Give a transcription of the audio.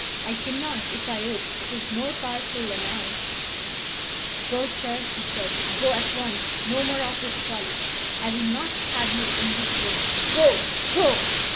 I cannot, if I would. It is more powerful than I " "Go, sir," he said; "go at once; no more of this folly. I will not have you in this room: Go go!"